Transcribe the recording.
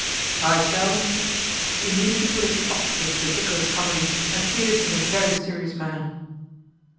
"I shall," he said, "immediately put a stop to this ridiculous comedy, and treat it in a very serious manner."